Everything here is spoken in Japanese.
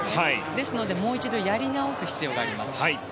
ですので、もう一度やり直す必要があります。